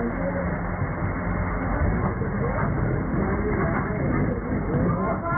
วงมากเหมือนจ้าวงมากจะปัดละ